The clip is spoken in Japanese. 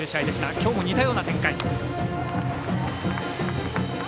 きょうも似たような展開。